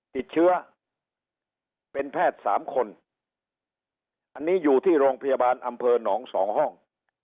ติดเชื้อเป็นแพทย์สามคนอันนี้อยู่ที่โรงพยาบาลอำเภอหนองสองห้อง